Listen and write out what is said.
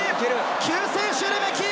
救世主レメキ！